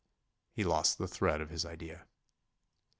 He lost the thread of his idea.